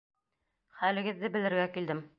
Хәлегеҙҙе белергә килдем.